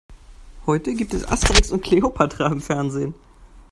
Heute gibt es Asterix und Kleopatra im Fernsehen.